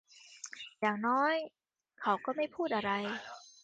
อย่างน้อย เขาก็ไม่พูดอะไร